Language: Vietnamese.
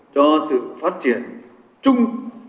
cho sự phát triển chung